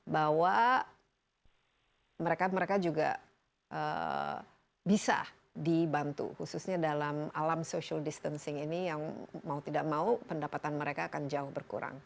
bahwa mereka juga bisa dibantu khususnya dalam alam social distancing ini yang mau tidak mau pendapatan mereka akan jauh berkurang